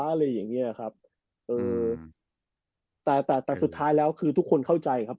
อะไรอย่างนี้อะครับแต่สุดท้ายแล้วคือทุกคนเข้าใจครับ